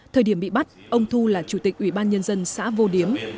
thời điểm bị bắt ông thu là chủ tịch ủy ban nhân dân xã vô điếm